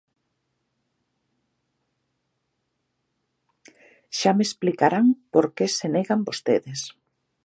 Xa me explicarán por que se negan vostedes.